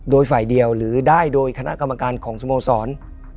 โดยฝ่ายเดียวหรือได้โดยคณะกรรมการของสโมสร